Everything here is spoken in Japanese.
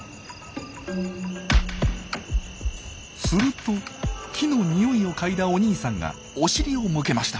すると木の匂いを嗅いだお兄さんがお尻を向けました。